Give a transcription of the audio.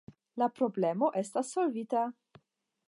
La problemo estas solvita!